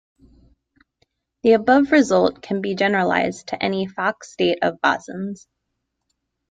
The above result can be generalized to any Fock state of bosons.